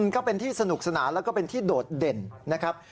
ก็เป็นที่สนุกสนานแล้วก็เป็นที่โดดเด่นนะครับ